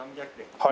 はい。